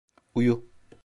Uyu.